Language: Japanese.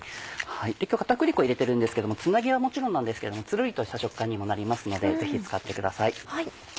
今日片栗粉入れてるんですけどもつなぎはもちろんなんですけれどもつるりとした食感にもなりますのでぜひ使ってください。